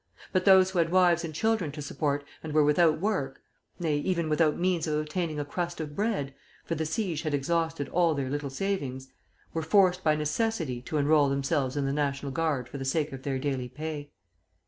But those who had wives and children to support and were without work nay, even without means of obtaining a crust of bread (for the siege had exhausted all their little savings) were forced by necessity to enroll themselves in the National Guard for the sake of their daily pay.